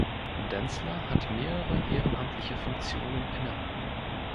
Denzler hat mehrere ehrenamtliche Funktionen inne.